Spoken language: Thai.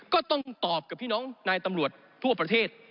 ก็ต้องตอบกับพี่น้องนายตำรวจทั่วประเทศ